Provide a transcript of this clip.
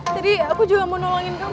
jadi aku juga mau nolongin kamu